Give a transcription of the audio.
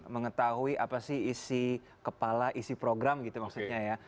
mengetahui apa sih isi kepala isi program gitu maksudnya ya